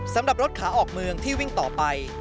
สำหรับรถขาออกเมืองที่วิ่งต่อไป